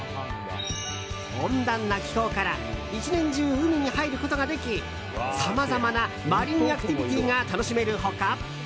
温暖な気候から１年中、海に入ることができさまざまなマリンアクティビティーが楽しめる他